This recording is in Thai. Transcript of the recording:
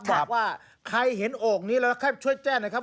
บอกว่าใครเห็นโอ่งนี้แล้วครับช่วยแจ้งนะครับ